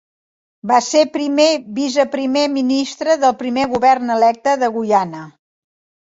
Va ser primer viceprimer ministre del primer govern electe de Guyana.